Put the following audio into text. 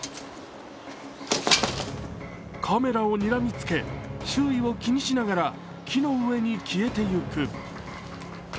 カメラをにらみつけ、周囲を気にしながら木の上に消えてゆく。